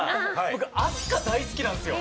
僕、アスカ、大好きなんですよ。